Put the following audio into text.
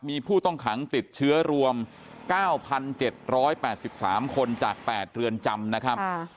มีผู้ต้องขังติดเชื้อรวม๙๗๘๓คนจาก๘เรือนจำนะครับ